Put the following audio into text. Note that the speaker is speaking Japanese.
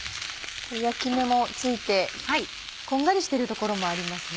焼き目もついてこんがりしてる所もありますね